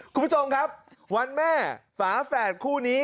คุณผู้ชมครับวันแม่ฝาแฝดคู่นี้